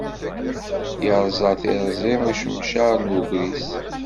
Iṛẓa tiṛẓi ucemcaṛ n ugris.